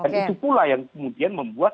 dan itu pula yang kemudian membuat